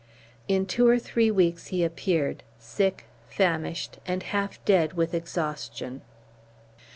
In two or three weeks he appeared, sick, famished, and half dead with exhaustion.